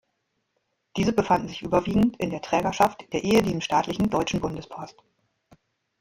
Diese befanden sich überwiegend in der Trägerschaft der ehedem staatlichen „Deutschen Bundespost“.